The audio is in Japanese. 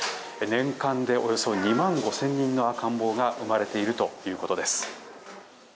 年間でおよそ２万５０００人の赤ん坊が生まれているということです。